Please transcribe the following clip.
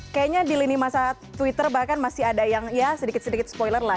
kayaknya di lini masa twitter bahkan masih ada yang ya sedikit sedikit spoiler lah